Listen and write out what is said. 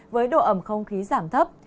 với độ ẩm không khí giảm thấp